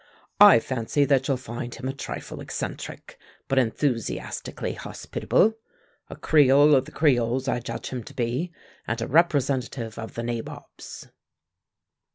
I fancy that you'll find him a trifle eccentric, but enthusiastically hospitable. A creole of the creoles I judge him to be, and a representative of the nabobs."